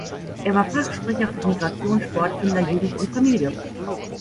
Er war Fachsprecher für Migration, Sport, Kinder, Jugend und Familie.